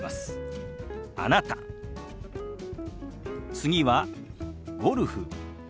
次は「ゴルフ」。